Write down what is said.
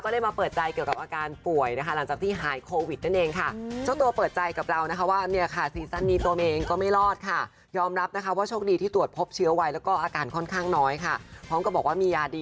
นะคะว่าโชคดีที่ตรวจพบเชื้อว่าแล้วก็อาการค่อนข้างน้อยค่ะความกับบอกว่ามี